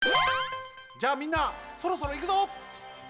じゃあみんなそろそろいくぞ！